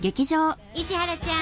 石原ちゃん